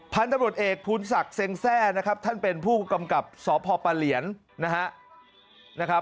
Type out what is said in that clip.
พันธุรกรุ่นเอกภูนศักดิ์เซ็งแซ่นะครับท่านเป็นผู้กำกับสพเปลี่ยนนะฮะ